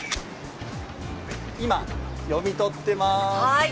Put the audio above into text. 今、読み取ってます。